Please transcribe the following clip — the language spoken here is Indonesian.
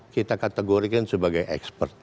kita kategorikan sebagai ekspert